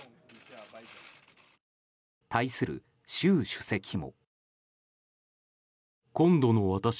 対する習主席も。